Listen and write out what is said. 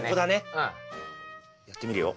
やってみるよ？